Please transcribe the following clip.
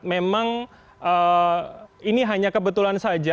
memang ini hanya kebetulan saja